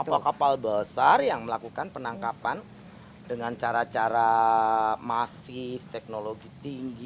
ada kapal kapal besar yang melakukan penangkapan dengan cara cara masif teknologi tinggi jadi habis semua